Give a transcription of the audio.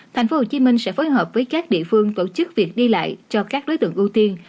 thành phố hồ chí minh sẽ phối hợp với các địa phương tổ chức việc đi lại cho các đối tượng ưu tiên